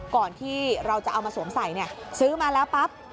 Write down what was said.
ก่อนที่เราจะเอามาสวมใส่ซื้อมาแล้วปั๊บ